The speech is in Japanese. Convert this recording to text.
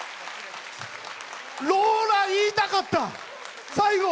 「ローラ」言いたかった！